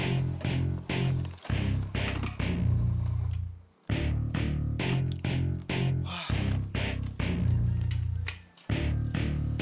untuk bikin kamu sakit kayak gini